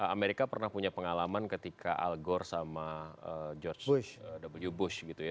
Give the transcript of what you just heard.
amerika pernah punya pengalaman ketika algor sama george w bush gitu ya